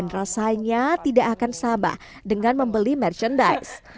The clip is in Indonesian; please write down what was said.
dan selesainya tidak akan sabar dengan membeli merchandise